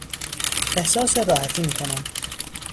احساس راحتی میکنم.